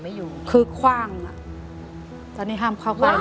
อเรนนี่นี่คือเหตุการณ์เริ่มต้นหลอนช่วงแรกแล้วมีอะไรอีก